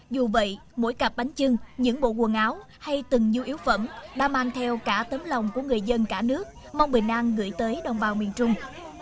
dù vậy mỗi cặp bánh trưng những bộ quần áo hay từng du yếu phẩm đã mang theo cả tấm lòng của người dân cả nước mong bình an gửi tới đồng bào miền trung